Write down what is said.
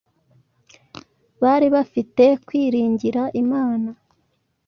Bari bafite kwiringira Imana.